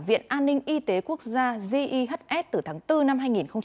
viện an ninh y tế quốc gia gehs từ tháng bốn năm hai nghìn hai mươi năm